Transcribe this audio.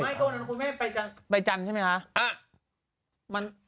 ไม่ก็ว่านั้นคุณแม่ไปจันทร์ใช่ไหมคะ